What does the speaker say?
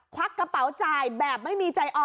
ควักกระเป๋าจ่ายแบบไม่มีใจอ่อน